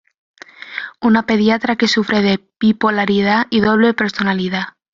Una pediatra que sufre de bipolaridad y doble personalidad.